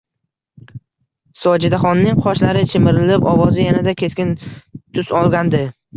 -Sojidaxonning qoshlari chimirilib, ovozi yanada keskin tus olgandi